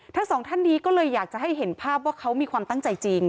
ทั้งสองท่านนี้ก็เลยอยากจะให้เห็นภาพว่าเขามีความตั้งใจจริง